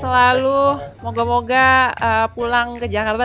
semoga moga pulang ke jakarta